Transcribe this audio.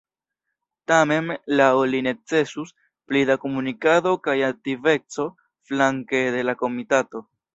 Tamen laŭ li necesus pli da komunikado kaj aktiveco flanke de la komitato.